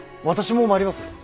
私も参ります。